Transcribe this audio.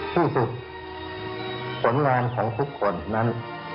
ที่สุดผลงานของทุกคนนั้น